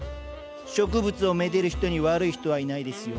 植物をめでる人に悪い人はいないですよ。